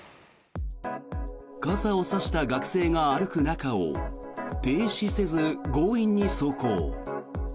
傘を差した学生が歩く中を停止せず強引に走行。